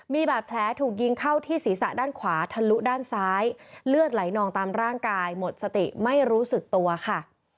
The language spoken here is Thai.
มีบาดแผลถูกยิงเข้าที่ศีรษะด้านขวาทะลุด้านซ้ายเลือดไหลนองตามร่างกายหมดสติไม่รู้สึกตัวค่ะ